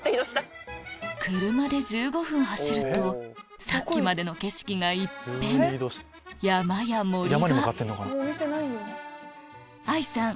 車で１５分走るとさっきまでの景色が一変山や森が愛さん